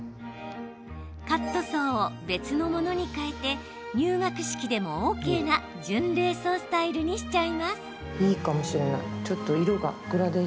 カットソーを別のものに替えて入学式でもＯＫな準礼装スタイルにしちゃいます。